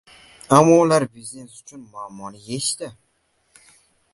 Ammo ular biznes uchun muammoni yechdi.